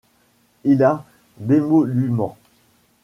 Il a d'émoluments.